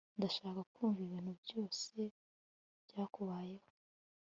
Ndashaka kumva ibintu byose byakubayeho